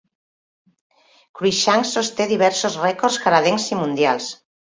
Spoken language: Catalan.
Cruickshank sosté diversos rècords canadencs i mundials.